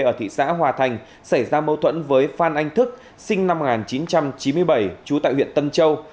ở thị xã hòa thành xảy ra mâu thuẫn với phan anh thức sinh năm một nghìn chín trăm chín mươi bảy trú tại huyện tân châu